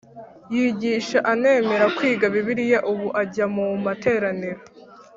Yigisha anemera kwiga bibiliya ubu ajya mu materaniro